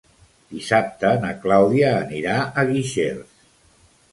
Dissabte na Clàudia anirà a Guixers.